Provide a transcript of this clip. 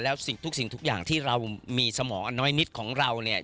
แล้วทุกสิ่งทุกอย่างที่เรามีสมองอันน้อยนิดของเราเนี่ย